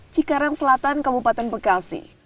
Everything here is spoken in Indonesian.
cikaran selatan kabupaten bekasi